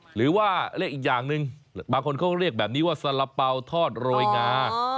หรือว่าเรียกอีกอย่างหนึ่งบางคนเขาเรียกแบบนี้ว่าสาระเป๋าทอดโรยงา